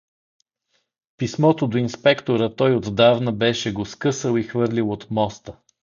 Писмото до инспектора той отдавна беше го скъсал и хвърлил от моста.